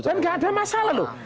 kan nggak ada masalah loh